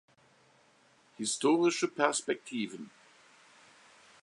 Historische Perspektiven.